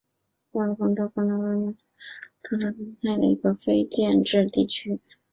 沃克风车广场是位于美国亚利桑那州亚瓦派县的一个非建制地区。